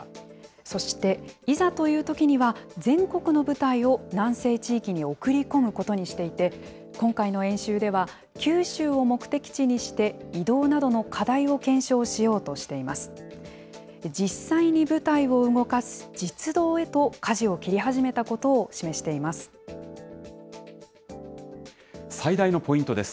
そして、いざというときには、全国の部隊を南西地域に送り込むことにしていて、今回の演習では、九州を目的地にして、移動などの課題を検証しようとしています。